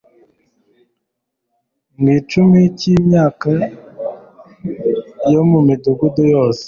mu icumi cy imyaka yo mu midugudu yose